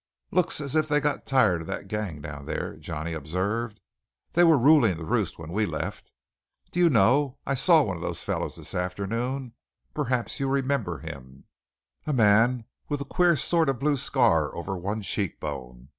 "Looks as if they'd got tired of that gang down there," Johnny observed. "They were ruling the roost when we left. Do you know, I saw one of those fellows this afternoon perhaps you remember him a man with a queer sort of blue scar over one cheekbone.